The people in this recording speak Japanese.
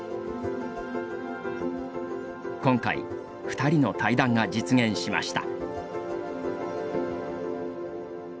今回二人の対談が実現しました。